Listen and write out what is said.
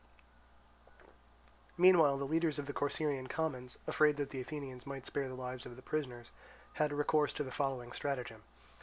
Meanwhile the leaders of the Corcyraean commons, afraid that the Athenians might spare the lives of the prisoners, had recourse to the following stratagem.